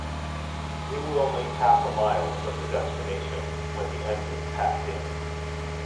We were only half a mile from the destination when the engine packed in.